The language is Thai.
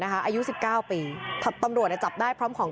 นะคะอายุสิบเก้าปีถับตำรวจเนี่ยจับได้พร้อมของ